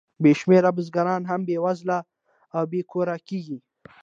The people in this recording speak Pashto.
بې شمېره بزګران هم بېوزله او بې کوره کېږي